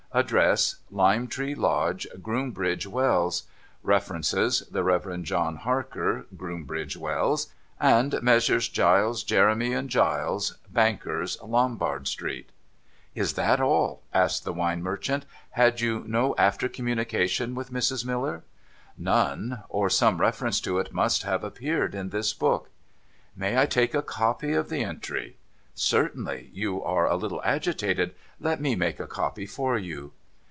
Address— Lime Tree Lodge, Groombridge Wells. Refer ences—the Reverend John Harker, Groombridge Wells ; and Messrs. Giles, Jeremie, and Giles, bankers, Lombard street.' ' Is that all ?' asked the wine merchant. ' Had you no after communication with Mrs. Miller ?'' None — or some reference to it must have at^peared in this book.' ' May I take a copy of the entry ?'' Certainly ! You are a little agitated. Let me make a copy for you.'